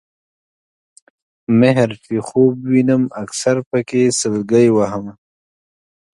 مِهر چې خوب وینم اکثر پکې سلګۍ وهمه